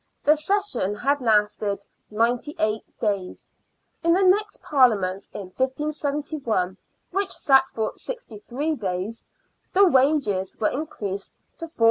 The Session had lasted ninety eight days. In the next Parliament, in 1571 — which sat for sixty three days — the " wages " were increased to 4s.